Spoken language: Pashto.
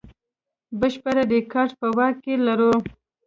بشپړ ریکارډ په واک کې لرو.